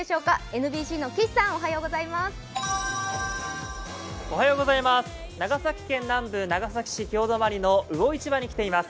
ＮＢＣの岸さん、おはようございます。